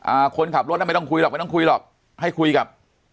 อ่าคนขับรถน่ะไม่ต้องคุยหรอกไม่ต้องคุยหรอกให้คุยกับ